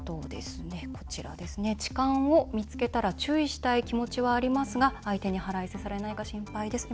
「痴漢を見つけたら注意したい気持ちはありますが相手に腹いせされないか心配です」。